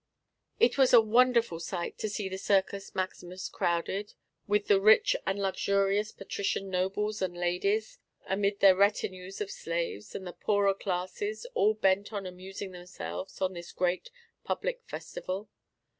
It was a wonderful sight to see the Circus Maximus crowded with the rich and luxurious patrician nobles and ladies arid their retinues of slaves, and the poorer classes, all bent on amusing themselves on this great public festival.